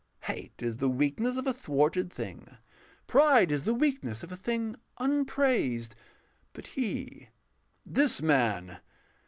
Hate is the weakness of a thwarted thing, Pride is the weakness of a thing unpraised. But he, this man....